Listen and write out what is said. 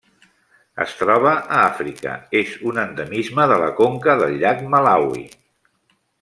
Es troba a Àfrica: és un endemisme de la conca del llac Malawi.